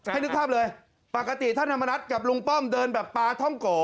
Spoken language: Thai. นึกภาพเลยปกติท่านธรรมนัฐกับลุงป้อมเดินแบบปลาท่องโก